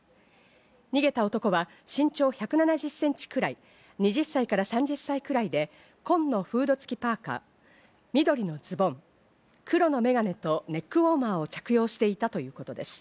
逃げた男は身長１７０センチくらい、２０歳から３０歳くらいで、紺のフード付きパーカ、緑のズボン、黒の眼鏡とネックウォーマーを着用していたということです。